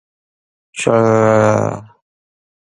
We'd known each other for years.